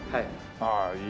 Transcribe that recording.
ああいい。